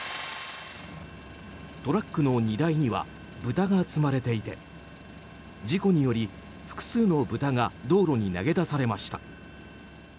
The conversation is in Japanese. トラックの荷台には豚が積まれていて事故により、複数の豚が道路に投げ出されました。